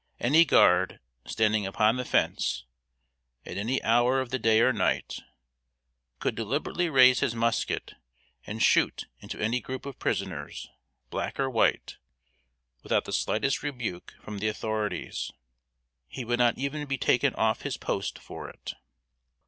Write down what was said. Any guard, standing upon the fence, at any hour of the day or night, could deliberately raise his musket and shoot into any group of prisoners, black or white, without the slightest rebuke from the authorities. He would not even be taken off his post for it.